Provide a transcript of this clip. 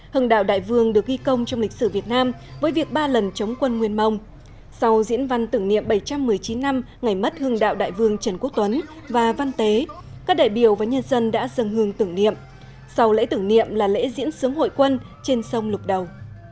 hưng đạo đại vương được ghi công trong lịch sử việt nam với việc ba lần chống quân nguyên mông sau diễn văn tưởng niệm bảy trăm một mươi chín năm ngày mất hương đạo đại vương trần quốc tuấn và văn tế các đại biểu và nhân dân đã dần hương tưởng niệm sau lễ tưởng niệm là lễ diễn sướng hội quân trên sông lục đầu